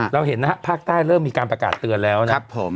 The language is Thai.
เราเห็นนะฮะภาคใต้เริ่มมีการประกาศเตือนแล้วนะครับผม